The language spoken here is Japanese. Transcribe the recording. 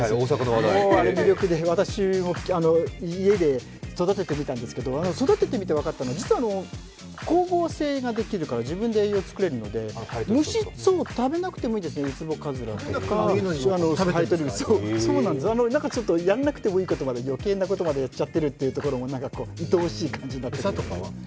もうあの魅力で、私も家で育ててみたんですけど育ててみて分かったのは、光合成ができるから自分で栄養作れるので、虫を食べなくてもいいですね、ウツボカズラとか。やらなくてもいいことまで、余計なことまでやっているのも愛おしい感じで。